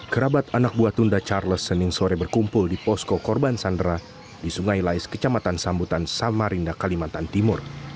kerabat anak buah tunda charles senin sore berkumpul di posko korban sandera di sungai lais kecamatan sambutan samarinda kalimantan timur